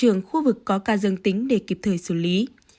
trường khu vực có ca dân tính để kịp thời xử lý